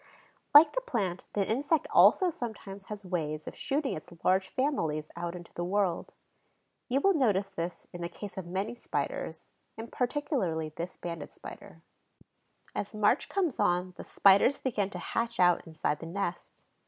Like the plant, the insect also sometimes has ways of shooting its large families out into the world. You will notice this in the case of many Spiders, and particularly this Banded Spider. As March comes on the Spiders begin to hatch out inside the nest.